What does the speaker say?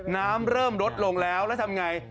น้ำเริ่มลดลงแล้วแล้วทำไง